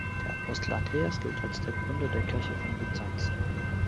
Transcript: Der Apostel Andreas gilt als Gründer der Kirche von Byzanz.